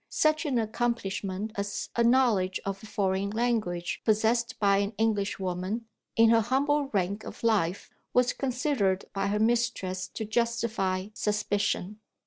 Such an accomplishment as a knowledge of a foreign language possessed by an Englishwoman, in her humble rank of life, was considered by her mistress to justify suspicion.